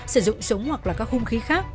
sử dụng súng hoặc là các hung khí khác